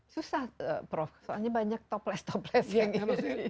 susah prof soalnya banyak toples toples yang emosi